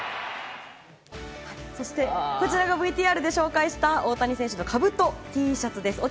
そして、こちらがＶＴＲで紹介した大谷選手のかぶとＴシャツです。